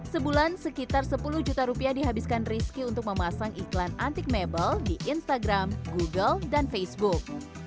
sebulan sekitar sepuluh juta rupiah dihabiskan rizky untuk memasang iklan antik mebel di instagram google dan facebook